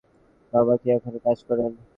বাবা কি এখনো কাজ করেন?